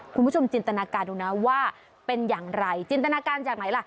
คุณผู้ชมจินตนาการดูนะว่าเป็นอย่างไรจินตนาการจากไหนล่ะ